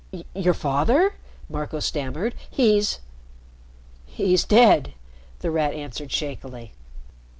"Your father?" Marco stammered. "He's " "He's dead," The Rat answered shakily.